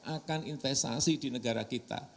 akan investasi di negara kita